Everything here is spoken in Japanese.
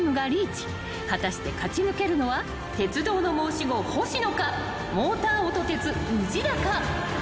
［果たして勝ち抜けるのは鉄道の申し子星野かモーター音鉄内田か］